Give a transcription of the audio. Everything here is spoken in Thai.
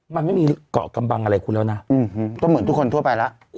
มันไม่มีเกาะกำบังอะไรคุณแล้วนะก็เหมือนทุกคนทั่วไปแล้ว